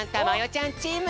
ちゃんチーム。